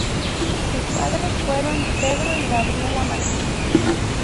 Sus padres fueron Pedro y Gabriela Martínez.